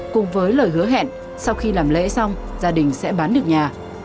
cùng với lời hứa hẹn sau khi làm lễ xong gia đình sẽ bán được nhà